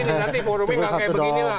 nanti forumnya nggak kayak begini lah